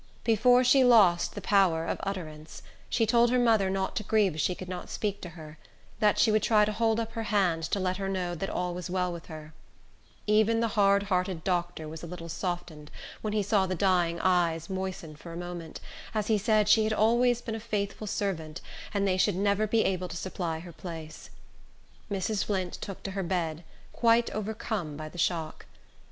Before she lost the power of utterance, she told her mother not to grieve if she could not speak to her; that she would try to hold up her hand; to let her know that all was well with her. Even the hard hearted doctor was a little softened when he saw the dying woman try to smile on the aged mother, who was kneeling by her side. His eyes moistened for a moment, as he said she had always been a faithful servant, and they should never be able to supply her place. Mrs. Flint took to her bed, quite overcome by the shock.